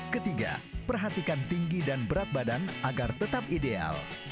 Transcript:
ketiga perhatikan tinggi dan berat badan agar tetap ideal